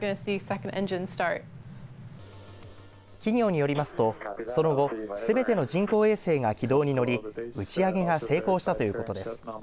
企業によりますとその後、すべての人工衛星が軌道に乗り打ち上げが成功したということです。